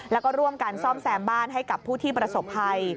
แล้วก็ร่วมกันซ่อมแซมบ้านให้กับผู้ที่ประสบภัย